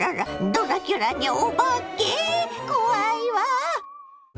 ドラキュラにお化け⁉怖いわ！